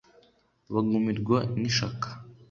bagumirwa n’ishaka